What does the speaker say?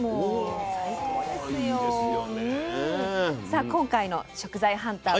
さあ今回の食材ハンター